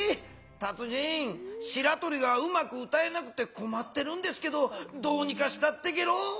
達人しらとりがうまく歌えなくてこまってるんですけどどうにかしたってゲロ。